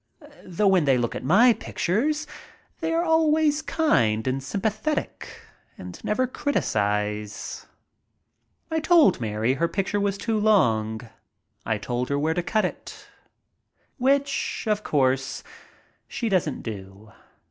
Though when they look at my pictures they are always kind and sympathetic and never criticize. I told Mary her picture was too long. I told her where to cut it. Which, of course, she doesn't do.